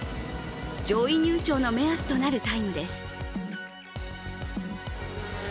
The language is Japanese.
上位入賞の目安となるタイムです。